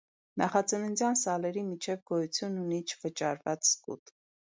Նախածննդյան սալերի միջև գոյություն ունի չվճարված սկուտ։